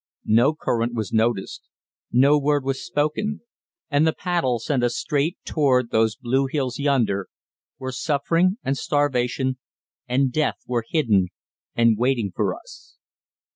No current was noticed, no word was spoken, and the paddle sent us straight toward those blue hills yonder, where Suffering and Starvation and Death were hidden and waiting for us.